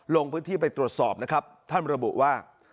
ลงพื้นที่ไปตรวจสอบนะครับท่านระบุว่า